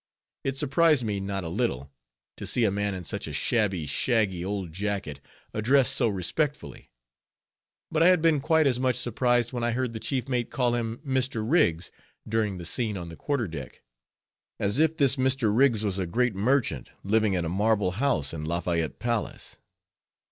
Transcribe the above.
It surprised me not a little, to see a man in such a shabby, shaggy old jacket addressed so respectfully; but I had been quite as much surprised when I heard the chief mate call him Mr. Rigs during the scene on the quarter deck; as if this Mr. Rigs was a great merchant living in a marble house in Lafayette Place.